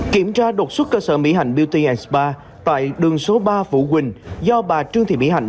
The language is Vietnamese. kiểm tra đột xuất cơ sở mỹ hạnh beauty spa tại đường số ba phủ quỳnh do bà trương thị mỹ hạnh